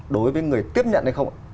đối với người tiếp nhận hay không ạ